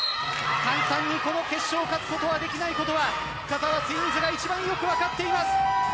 簡単に決勝に勝つことができないことは深澤ツインズが一番よく分かっています。